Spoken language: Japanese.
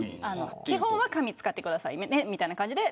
基本は紙を使ってくださいねみたいな感じで。